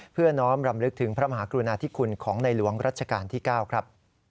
น้อมรำลึกถึงพระมหากรุณาธิคุณของในหลวงรัชกาลที่๙ครับ